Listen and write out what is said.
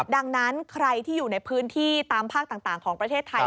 ดังนั้นใครที่อยู่ในพื้นที่ตามภาคต่างของประเทศไทย